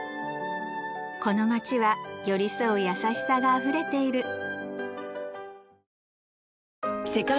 この街は寄り添う優しさがあふれている